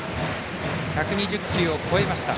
１２０球を超えました。